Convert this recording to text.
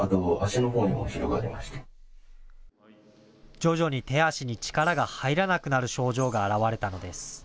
徐々に手足に力が入らなくなる症状が現れたのです。